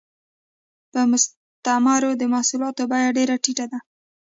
په مستعمرو کې د محصولاتو بیه ډېره ټیټه وه